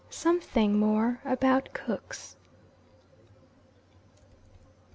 SOMETHING MORE ABOUT COOKS.